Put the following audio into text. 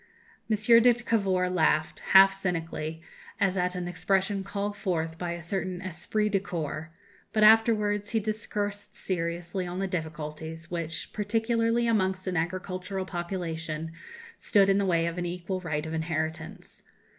M. de Cavour laughed, half cynically, as at an expression called forth by a certain esprit de corps; but afterwards he discoursed seriously on the difficulties which, particularly amongst an agricultural population, stood in the way of an equal right of inheritance.